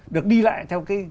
được đi lại theo cái